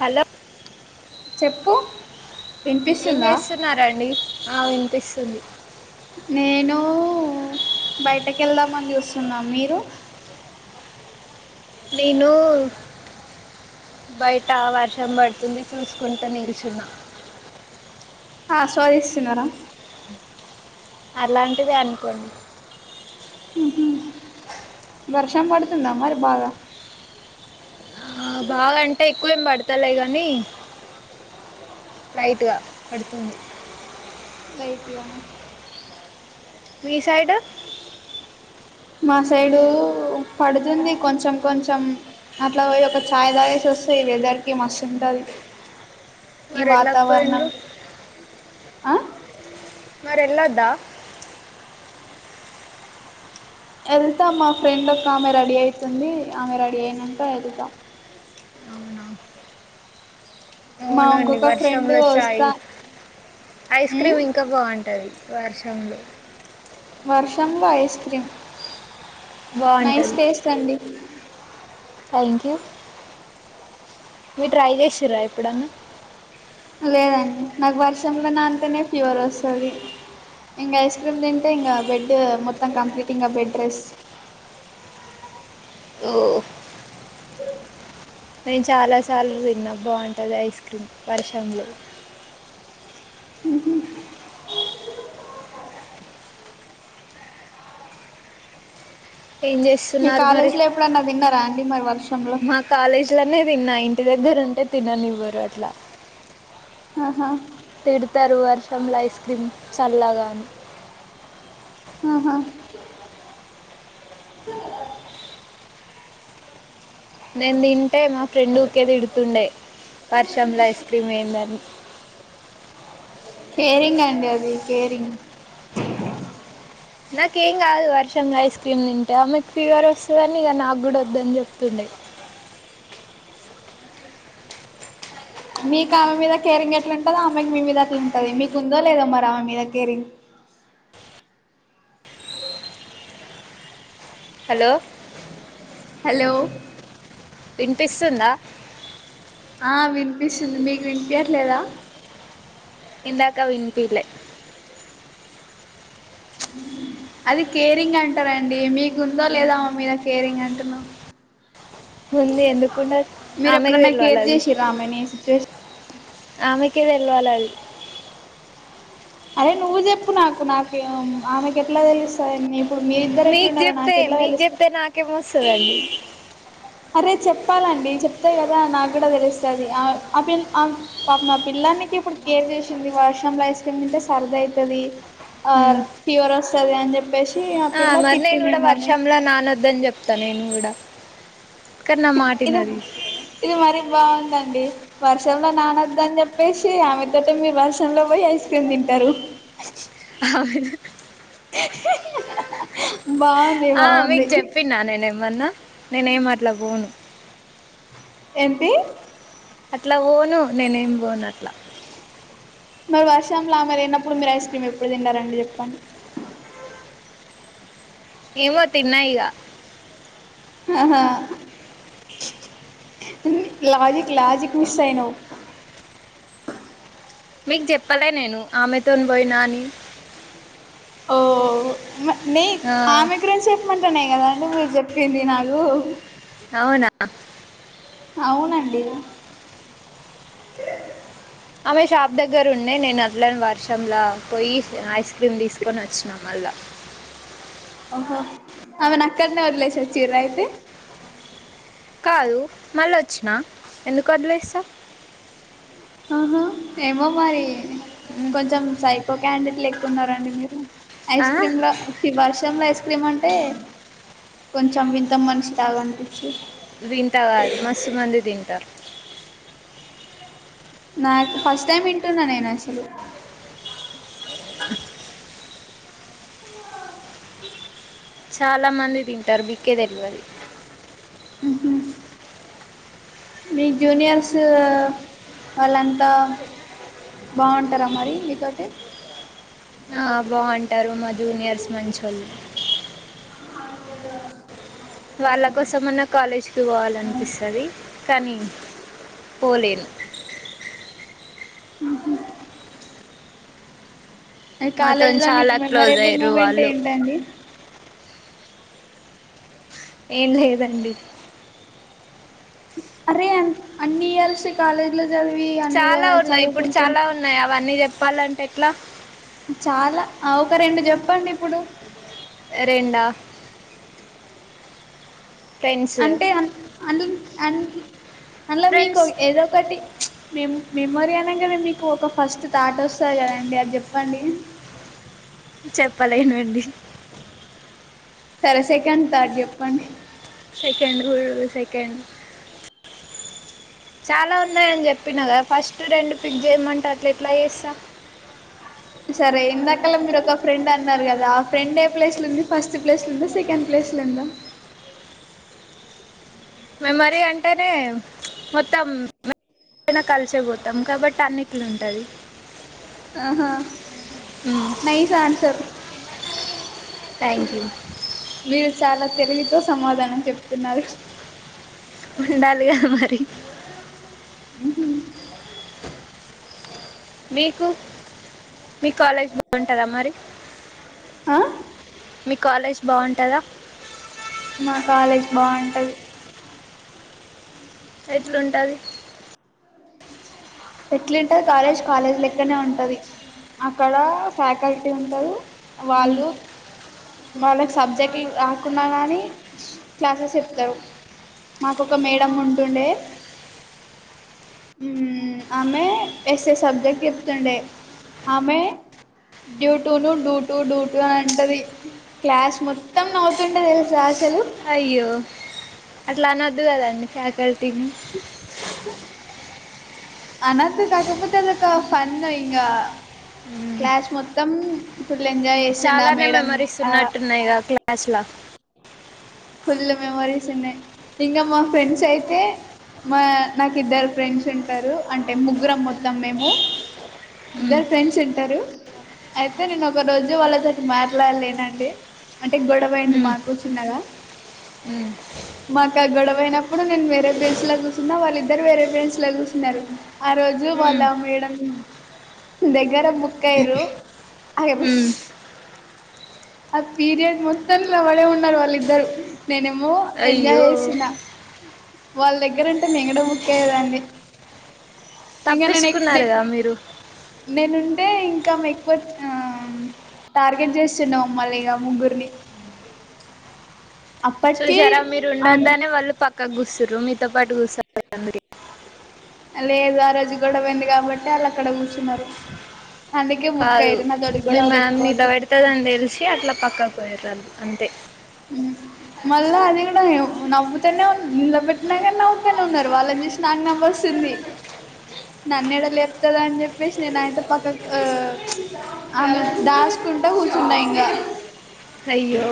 Hello చెప్పు ఏం వినిపిస్తుందా చేస్తున్నారాండి ఆ వినిపిస్తుంది. నేను బయటక వెళ్దామని చూస్తున్నా మీరు నేను బయట వర్షం పడుతుంది. చూసుకుంట నిల్చున్న ఆస్వాదిస్తున్నారా. అలాంటిదే అనుకోండి. వర్షం పడుతుందా. మరి బాగా ఆ బాగా అంటే ఎక్కువేం పడతలే గానీ లైట్ గా పడుతుంది. లైట్ గా మీ సైడ్ మా సైడు పడుతుంది. కొంచెం కొంచెం అట్లా పోయి ఒక చాయ్ తాగేసి వస్తే ఇ వెదర్ కి మస్తు ఉంటది. ఈ మరి వాతావరణం వెళ్ళకపోయిండ్రు ఆ మరి ఎళ్ళద్దా ఎళ్తాం మా ఫ్రెండ్ ఒక ఆమె రెడీ అయితుంది ఆమె రెడీ అయినాంక ఎళ్తా మా అవును అండి ఇంకొక ఫ్రెండ్ వర్షంలో ఛాయ్ వస్తా ఐస్ ఉమ్ క్రీమ్ ఇంకా బావుంటాది వర్షంలో వర్షంలో ఐస్ క్రీమ్ నైస్ బాగుంటుంది టేస్ట్ అండి థ్యాంక్ యూ మీరు ట్రై చేసిర్రా ఎప్పుడన్నా లేదండి నాకు వర్షంలో నానితేనే ఫీవర్ వస్తాది ఇంక ఐస్ క్రీమ్ తింటే ఇంకా బెడ్ మొత్తం కంప్లీట్ ఇంకా బెడ్ రెస్ ఓ నేను చాలా సార్లు తిన్నా బావుంటది ఐస్ క్రీమ్ వర్షంలో ఊహూ ఏం చేస్ మీ కాలేజ్ లో ఎప్పుడన్నా తిన్నారా అండి మరి వర్షంలో ఆ కాలేజ్ లోనే తిన్నా ఇంటి దగ్గర ఉంటే తిననివ్వరు అని ఆహా తిడతారు వర్షంలో ఐస్ క్రీమ్ చల్లగా అని ఆహా నేను తింటే మా ఫ్రెండ్ ఊకే తిడుతుండే వర్షంలో ఐస్ క్రీమ్ ఏంది అని కేరింగ్ అండి అది కేరింగ్ నాకేం కాదు వర్షంలో ఐస్ క్రీమ్ తింటే ఆమెకు ఫీవర్ వస్తదని ఇగ నాకు కూడ వద్దని చెప్తుండే మీకు ఆమె మీద కేరింగ్ ఎట్లా ఉంటందో ఆమెకి మీద అట్లా ఉంటది మీకు ఉందో లేదో మరి ఆమె మీద కేరింగ్ హలో హలో విన్పిస్తుందా ఆ విన్పిస్తుంది మీకు విన్పియ్యట్లేదా ఇందాక వినిపీలే అది కేరింగ్ అంటారండి మీకుందో లేదో ఆమె మీద కేరింగ్ అంటున్నా ఉంది ఎందుకు ఉండ మీరు ఎప్పుడన్నా కేర్ చేసిర్రా ఆమెని [inaudible] ఆమెకే తెల్వాలి అది అదే నువ్వు చెప్పు నాకు నాకే [unintelligible] ఆమెకు ఎట్లా తెలుస్తా [inaudible] ఇప్పుడు మీ ఇద్దరూ మీకు ఎట్లున్నారో చెప్తే నాకు ఎట్లా మీకు తెలుస్తా [inaudible] చెప్తే నాకేమొస్తదండి అరే చెప్తారండి చెప్తే కదా నాకు కూడా తెలుస్తాది ఆమె ఆ పిల్ ఆం పాపం ఆ పిల్ల నీకి ఇప్పుడు కేర్ చేసింది వర్షం లో ఐస్ తుమ్మితే సర్ది అయితది ఆర్ ఉమ్ ఫీవర్ వస్తది అని చెప్పేసి ఆ పిల్ల మరి నేను తిట్టింది కూడా మిమ్మల్ని వర్షంలో నానోద్దని చె తా నేను కూడా కానీ నా మాట ఇది యినది ఇది మరీ బావుందండి వర్షంలో నానద్దు అని చెప్పేసి ఆమెతోటే మీరు వర్షంలో పొయ్యి ఐస్ క్రీమ్ తింటారు [unintelligible] బాన్ ఆ మీకు చెప్పిన నేనే ఏమన్నా నేనే ఏం అట్లా పోను ఏంటి అట్లా పోను నేనేం పోను అట్లా మరి వర్షాంలోలా ఆమె లేనప్పుడు మీరు ఐస్ క్రీమ్ ఎప్పుడు తిన్నారండి చెప్పండి ఏమో తిన్నాయిగ ఆహా లాజిక్ లాజిక్ మిస్ అయినావ్ మీకు చెప్పలే నేను ఆమెతోని పోయినా అని ఓ న ఆ, ఆమెగ్రన్స్ మంటున్నా కదాండి మీరు చెప్పింది నాకు అవునా అవునండి ఆమె షాప్ దగ్గర ఉండే నేను అట్లని వర్షంలా పోయి ఐస్ క్రీమ్ తీసుకొని వచ్చినాం మళ్ళా ఓహో అమెను అక్కడనే వదిలేస చీర అయితే కాదు మళ్ళీ వచ్చినా ఎందుకు వదిలేస్తా ఆహా ఏమో మరి ఉ కంచం సైకో క్యాండిడేట్ లేక ఉన్నారండి మీరు ఐస్ క్రీమ్ లో ఈ వర్షంలో ఐస్ క్రీమ్ అంటే కొంచెం వింత మనిషి తాగా అనిపించి తింటా కాదు మస్తు మంది తింటా నాకు ఫస్ట్ టైమ్ వింటున్నా నేను అసలు చాలా మంది తింటారు బిక్కే తెలియి మీ జూనియర్స్ వాళ్ళంతా బాగుంటారా మరి మీతోటి ఆ బాగుంటారు మా జూనియర్స్ మంచోళ్ళు [unintelligible] వాళ్ళ కోసమన్నా కాలేజ్కి పోవాలనిపిస్తుంది కానీ పోలేను ఆ ఓహా మాతో కాలేజ్ లో నీకు చాలా క్లోజ్ మెమొరేబుల్ అయ్యారు మూమెంట్ వాళ్ళు ఏంటండి ఏం లేదండి అరే అన్ని ఇయల్స్ కాలేజీ లో చదివి అన్ని చాలా ఉన్నాయి ఇప్పుడు చదువుకుంటంది చాలా ఉన్నాయి అవన్నీ చెప్పాలంటే ఎట్లా చాలా ఒక రెండు చెప్పండి ఇప్పుడు రెండా ఫ్రెండ్స్ అంటే అ అందు అ అందులో మీకు ఫ్రెండ్స్ ఏదో ఒకటి మె మెమోరీ అనేగానే మీకు ఒక ఫస్ట్ తాట వస్తుంది కదండి అది చెప్పండి చెప్పలేనుండి సరే సెకండ్ థర్డ్ చెప్పండి సెకెడ్ హడు సెకెండ్ చాలా ఉన్నాయ అని చెప్పిన కదా ఫస్ట్ రెండు పిక్ చేయమంట అట్లా ఎట్లా చేస్తాను సరే ఇందాకలా మీరు ఒక ఫ్రెండ్ అన్నారు కదా ఆ ఫ్రెండ్ ఏ ప్లేస్లు ఉంది ఫస్ట్ ప్లేస్లు ఉందా సెకండ్ ప్లేస్లు ఉందా మెమరీ అంటేనే మొత్తం ఎనా కలిసే పోతాం కాబట్టి అన్నిట్లు ఉంటది ఆహా నైస్ ఆన్సర్ థ్యాంక్ యూ మీరు చాలా తెలివితో సమాధానం చెప్తున్నారు. ఉండాలి గా మరీ ఊహు మీకు మీ కాలేజ్ బాగుంటదా మరి ఆ మీ కాలేజ్ బావుంటదా మా కాలేజ్ బావుంటది ఎట్లుంటాది ఎట్లుంటాది కాలేజ్ కాలేజ్ లెక్కనే ఉంటది అక్కడా ఫ్యాకల్టీ ఉంటరూ మ్మ్. వాళ్లూ వాళ్ళకి సబ్జెక్టింగ్ రాకుండా కానీ క్లాసెస్ చెప్తరు మాకు ఒక మేడం ఉంటుండే మ్ ఆమే ఎస్ఎస్ సబ్జెక్ట్ చెప్తుండే ఆమే డ్యూ టూను డూ టూ డూ టూ అని అంటదీ క్లాస్ మొత్తం నవ్వుతుండే తెలుసా అసలూ అయ్యో అట్ల అనొద్దు కదండి ఫ్యాకల్టీని అనద్దు కాకపోతే అదొకా ఫన్ను ఇంగా క్లాష్ మొత్తం ఫుల్ ఎంజాయ్ చేసిండు ఆ చాలానే మేడం మెమరీస్ ఆ ఉన్నట్టున్నాయిగా క్లాస్ లో ఫుల్లు మెమోరీస్ ఉన్నయ్ ఇంగ మా ఫ్రెండ్స్ అయితే మా నాకు ఇద్దరు ఫ్రెండ్స్ ఉంటరూ అంటే ముగ్గురం మొత్తం మేమూ మ్మ్. ఇద్దరు ఫ్రెండ్స్ ఉంటరూ అయితే నేను ఒక రోజు వాళ్ళతోటి మాట్లాడలేనండి. అంటే గొడవయింది మాకూ చిన్నగా ఉ మాకు ఆ గొడవ అయినప్పుడు నేను వేరే ప్లేస్ లా కూసున్నా వాళ్ళిద్దరు వేరే ప్లేస్ లో కూసున్నారు ఆ రోజూ మ్మ్. వాల్లా మేడం దెగ్గర బుక్కయిర్రు అరే బుష్ మ్మ్. ఆ పీరియడ్ మొత్తం లోవడే ఉన్నారు వాళ్ళిద్దరు నేనేమో ఎంజాయ్ అయ్యో చేస్తున్న వాళ్ళ దగ్గరుంటే నేను కూడ బుక్ అయ్యేదాన్ని ఇంకా నేను తప్పిచ్చుకున్నారుగా మీరు నేనుంటే ఇంకామె ఎక్కువ ఆ టార్గెట్ చేస్సున్నాం మల్లి ఇంగా ముగ్గురిని అప్పటికి చూసారా మీరు ఉండొద్దనే వాళ్ళు పక్కకు కూసుర్రు మీతో పాటు కూసొ పద మరి లేదు ఆ రోజు గొడవైంది కాబట్టే వాళ్ళు అక్కడ కూసున్నారు అందుకే బుక్ అయిర్రు నా తోటి గొడవ పెట్టుకోవద్దు త్తదని తెలిసే అట్ల పక్కకుపోయిర్రు అన్ అంతే మళ్ళా అది కూడా నవ్వుతనే ఉన్ నిళ పెట్టినా కానీ నవ్వుతనే ఉన్నారు వాళ్ళని చూసి నాకు నవ్వొస్తుంది నన్నేడ లేపుతదో అని చెప్పేసి నేను అయితే పక్కక్ ఓ ఆల్ దాచుకుంట కూర్చున్నా ఇంకా అయ్యో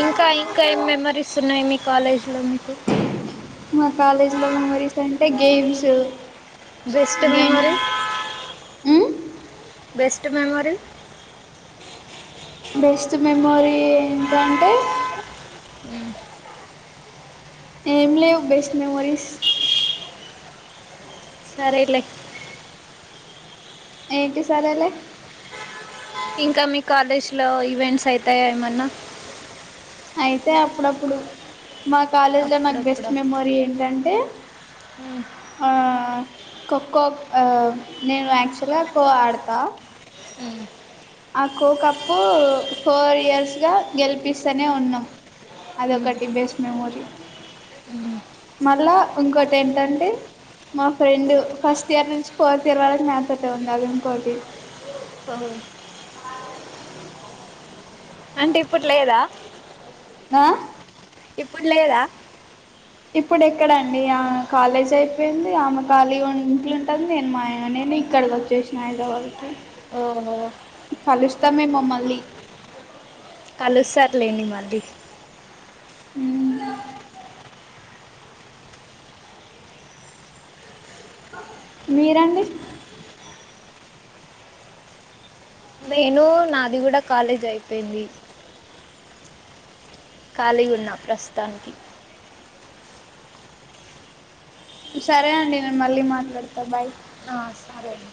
ఇంకా ఇంకా ఏం మెమరీస్ ఉన్నాయి మీ కాలేజ్ లో మీకు? మా కాలేజ్ లో మెమరీస్ అంటే గేమ్స్, బెస్ట్ గేమ్స్ మెమరీ మ్ బెస్ట్ మెమోరీ బెస్ట్ మెమోరీ ఏంటంటే, ఏం లేవు బెస్ట్ మెమోరీస్. సరేలే ఏంటి సరేలే? ఇంకా మీ కాలేజ్ లో ఈవెంట్స్ అయితాయ ఏమన్న? అయితాయి అప్పుడప్పుడు మా కాలేజ్ లో నాకు బెస్ట్ మెమోరీ ఏంటంటే, మ్ ఆ ఖోఖో నేను యాక్చువల్గా ఖో ఆడతా. మ్ ఆ ఖో కప్పు ఫోర్ ఇయర్స్ గా గెలిపిస్తనే ఉన్నాం. అదొకటి బెస్ట్ మెమోరీ. మళ్ళా ఇంకోటి ఏంటంటె మా ఫ్రెండ్ ఫస్ట్ ఇయర్ నుంచి ఫోర్త్ ఇయర్ వరకు నాతోటె ఉంది అది ఇంకోటి ఒ అంటే ఇప్పుడు లేదా? ఆ ఇప్పుడు లేద? ఇప్పుడు ఎక్కడండి ఆమె కాలేజ్ అయిపోయింది ఆమె ఖాళీగా ఇంట్లో ఉంటుంది నేను మాయగా నేను ఇక్కడకి వొచ్ చేసిన హైదరాబాద్ కి ఓ ఓ కలుస్తామేమో మల్లి కలుస్తారు లేండి మళ్ళీ మీరండి? నేను నాది కూడా కాలేజ్ అయిపోయింది. ఖాళీగా ఉన్న ప్రస్తుతానికి. సరే అండి నేను మళ్ళీ మాట్లాడతా బాయ్. ఆ సరే అండి